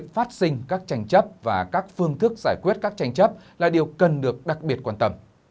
phát sinh các tranh chấp và các phương thức giải quyết các tranh chấp là điều cần được đặc biệt quan tâm